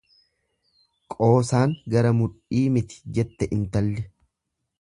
Qoosaan gara mudhii miti jette intalli.